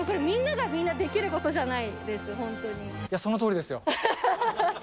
みんながみんなできることじいや、そのとおりですよ。